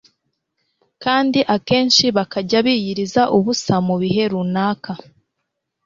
kandi akenshi bakajya biyiriza ubusa mu bihe runaka